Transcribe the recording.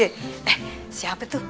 eh siapa itu